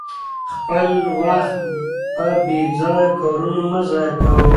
خپل وخت په بې ځایه کارونو مه ضایع کوئ.